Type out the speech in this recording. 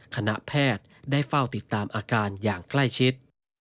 คณะแพทย์ได้เฝ้าติดตามอาการอย่างใกล้ชิด